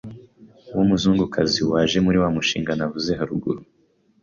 w’umuzungukazi waje muri wa mushinga navuze haruguru